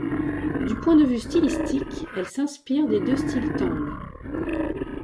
Du point de vue stylistique, elles s'inspirent des deux styles Tang.